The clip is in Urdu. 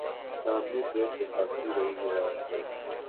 چاندنی دل دکھاتی رہی رات بھر